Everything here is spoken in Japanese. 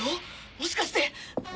もしかして